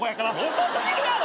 遅すぎるやろ！